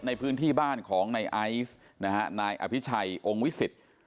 ในพื้นที่บ้านของนายไอศภ์นายอภิไชย์องค์วิสิทธิ์